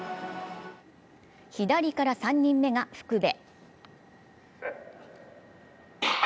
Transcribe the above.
左から３人目が福部。